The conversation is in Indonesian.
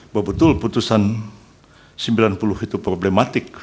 bebetul putusan sembilan puluh itu problematik